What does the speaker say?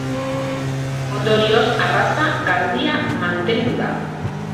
Ondorioz arraza garbia mantendu da.